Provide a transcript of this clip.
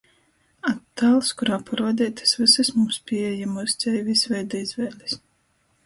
Attāls, kurā paruodeitys vysys mums pīejamuos dzeivis veida izvēlis.